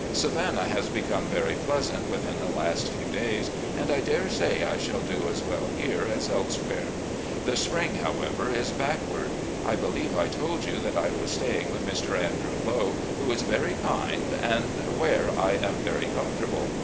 Savannah has become very pleasant within the last few days, and I dare say I shall do as well here as elsewhere. The spring, however, is backward. I believe I told you that I was staying with Mr. Andrew Lowe, who is very kind, and where I am very comfortable.